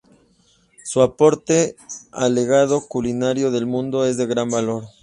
Su aporte al legado culinario del mundo es de gran valor.